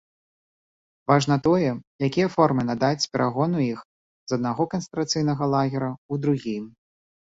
Важна тое, якія формы надаць перагону іх з аднаго канцэнтрацыйнага лагера ў другі.